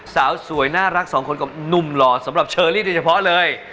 สาวสวยน่ารักสองคนกับหนุ่มหล่อสำหรับเชอรี่โดยเฉพาะเลย